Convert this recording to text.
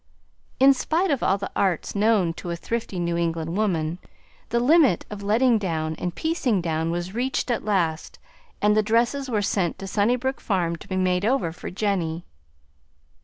In spite of all the arts known to a thrifty New England woman, the limit of letting down and piecing down was reached at last, and the dresses were sent to Sunnybrook Farm to be made over for Jenny.